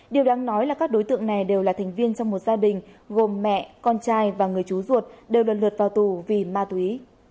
điều đáng nói là các đối tượng này đều là thành viên trong một gia đình gồm mẹ con trai và người chú ruột đều lần lượt vào tù vì ma túy